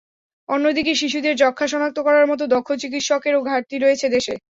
অন্যদিকে শিশুদের যক্ষ্মা শনাক্ত করার মতো দক্ষ চিকিৎসকেরও ঘাটতি রয়েছে দেশে।